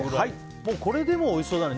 これでもおいしそうだね。